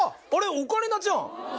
オカリナちゃん！